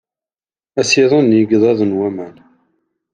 Asiḍen n yigḍaḍ n waman.